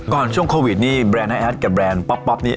ก่อนช่วงโควิดนี่แบรนด์นะแอดกับแบรนด์ป๊อปนี่